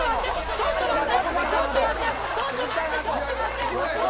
ちょっと待って！